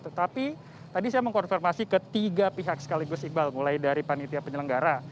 tetapi tadi saya mengkonfirmasi ke tiga pihak sekaligus iqbal mulai dari panitia penyelenggara